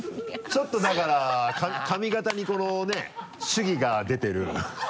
ちょっとだから髪形にこのね主義が出てる。